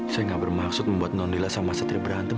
saya gak bermaksud membuat nonila sama satria berantem